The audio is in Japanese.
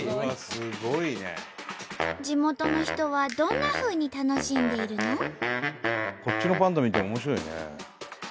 地元の人はどんなふうに楽しんでいるの？